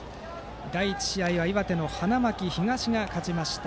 第１試合は岩手の花巻東が勝ちました。